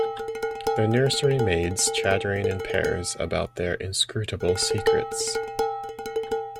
The nursery-maids chattering in pairs about their inscrutable secrets.